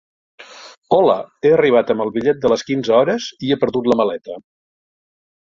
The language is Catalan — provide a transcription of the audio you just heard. Hola, he arribat amb el bitllet de les quinze hores i he perdut la maleta.